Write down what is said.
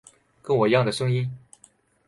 跟我一样的声音